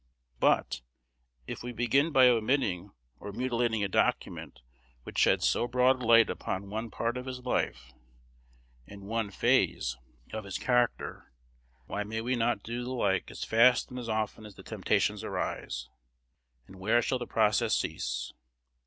But, if we begin by omitting or mutilating a document which sheds so broad a light upon one part of his life and one phase of his character, why may we not do the like as fast and as often as the temptations arise? and where shall the process cease?